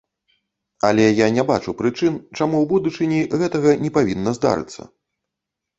Але я не бачу прычын, чаму ў будучыні гэтага не павінна здарыцца.